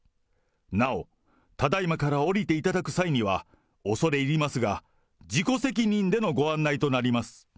なおただいまから降りていただく際には、恐れ入りますが、自己責任でのご案内となります。